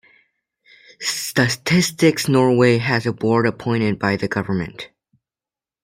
Statistics Norway has a board appointed by the government.